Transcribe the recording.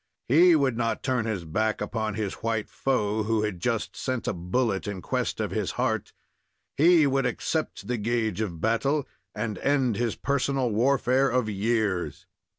He would not turn his back upon his white foe, who had just sent a bullet in quest of his heart. He would accept the gage of battle, and end his personal warfare of years.